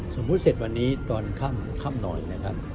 สมมุติเสร็จวันนี้ตอนค่ำหน่อยนะครับ